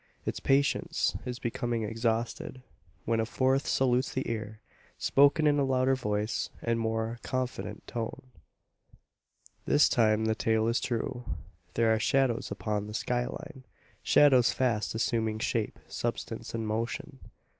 Its patience is becoming exhausted, when a fourth salutes the ear, spoken in a louder voice and more confident tone. This time the tale is true. There are shadows upon the skyline shadows fast assuming shape, substance, and motion.